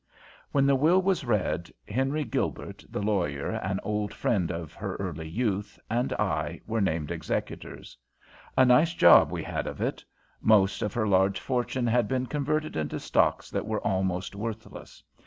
When the will was read, Henry Gilbert, the lawyer, an old friend of her early youth, and I, were named executors. A nice job we had of it. Most of her large fortune had been converted into stocks that were almost worthless.